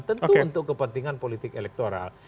tentu untuk kepentingan politik elektoral